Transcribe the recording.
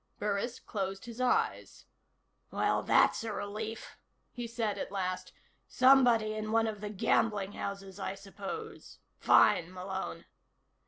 Burris closed his eyes. "Well, that's a relief," he said at last. "Somebody in one of the gambling houses, I suppose. Fine, Malone."